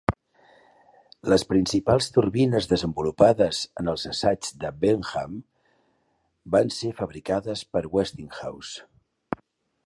Les principals turbines desenvolupades en els assaigs de "Benham" i van ser fabricades per Westinghouse.